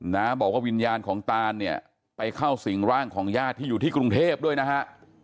นะบอกว่าวิญญาณของตานเนี่ยไปเข้าสิ่งร่างของญาติที่อยู่ที่กรุงเทพด้วยนะฮะ